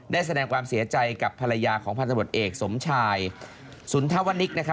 แสดงความเสียใจกับภรรยาของพันธบทเอกสมชายสุนทวนิก